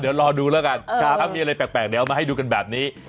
เดี๋ยวรอดูแล้วกันถ้ามีอะไรแปลกแล้วให้ดูกันแบบนี้